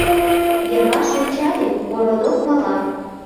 Йырваш ончале: городок мала.